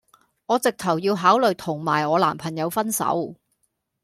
我直頭要考慮同埋我男朋友分手